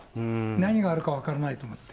何があるか分かんないと思って。